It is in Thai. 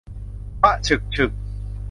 พระฉึกฉึก